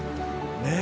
ねえ？